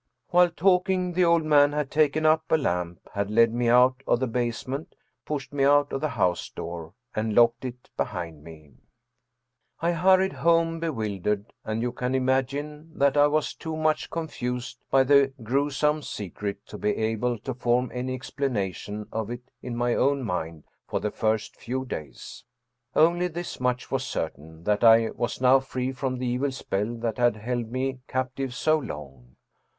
While talking, the old man had taken up a lamp, had led me out of the basement, pushed me out of the house door, and locked it behind me. I hurried home quite bewildered, and you can imagine that I was too much confused by the grewsome secret to be able to form any explanation of it in my own mind for the first few days. Only this much was certain, that I was 148 Ernest Theodor Amadcus Hoffmann now free from the evil spell that had held me captive so long.